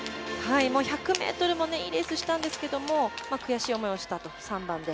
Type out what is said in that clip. １００ｍもいいレースしたんですけれど悔しい思いをしたと、３番で。